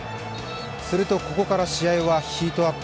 するとここから試合はヒートアップ。